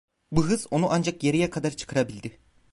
Bu hız onu ancak yarıya kadar çıkarabildi.